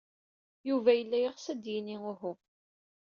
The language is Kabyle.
Yuba yella yeɣs ad d-yini uhu.